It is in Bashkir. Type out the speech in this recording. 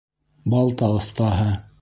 Балта оҫтаһы!